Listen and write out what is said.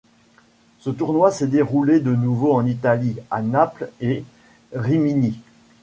Ce tournoi s'est déroulé de nouveau en Italie, à Naples et Rimini.